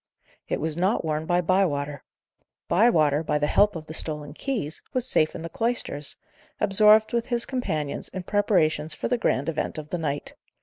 It was not worn by Bywater. Bywater, by the help of the stolen keys, was safe in the cloisters, absorbed with his companions in preparations for the grand event of the night.